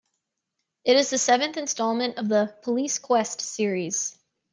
It is the seventh installment of the "Police Quest" series.